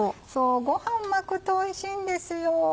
ご飯巻くとおいしいんですよ。